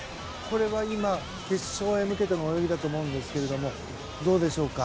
今、決勝へ向けての泳ぎだと思うんですけどどうでしょうか。